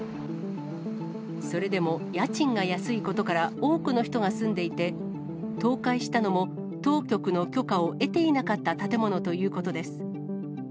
それでも、家賃が安いことから多くの人が住んでいて、倒壊したのも当局の許可を得ていなかった建物ということです。